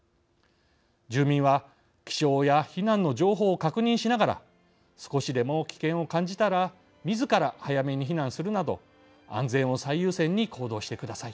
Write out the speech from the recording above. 住民は、気象や避難の情報を確認しながら少しでも危険を感じたらみずから早めに避難するなど安全を最優先に行動してください。